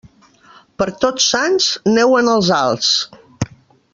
Per Tots Sants, neu en els alts.